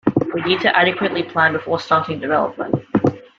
We need to adequately plan before starting development.